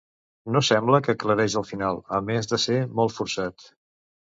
No sembla que aclareix el final, a més de ser molt forçat.